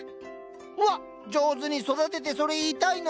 うわっ上手に育ててそれ言いたいな。